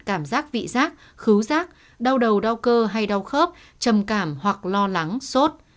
cảm giác vị giác khứ rác đau đầu đau cơ hay đau khớp trầm cảm hoặc lo lắng sốt